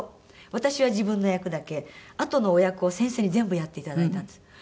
私は自分の役だけあとのお役を先生に全部やっていただいたんです。